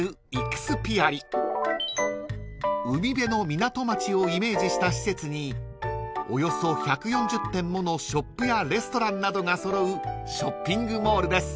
［海辺の港町をイメージした施設におよそ１４０店ものショップやレストランなどが揃うショッピングモールです］